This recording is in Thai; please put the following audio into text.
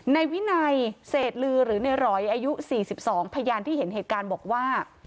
ในวินัยเศษลือหรือในร้อยอายุ๔๒พยานที่เห็นเหตุการณ์บอกว่า